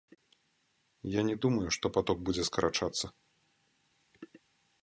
Я не думаю, што паток будзе скарачацца.